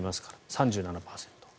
３７％。